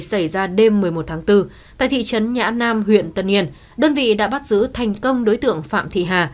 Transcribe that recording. xảy ra đêm một mươi một tháng bốn tại thị trấn nhã nam huyện tân yên đơn vị đã bắt giữ thành công đối tượng phạm thị hà